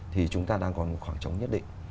thì chúng ta đang còn khoảng trống nhất định